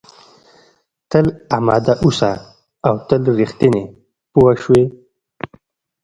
تل اماده اوسه او تل رښتینی پوه شوې!.